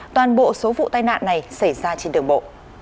toàn bộ số vụ tai nạn này xảy ra trên đường bộ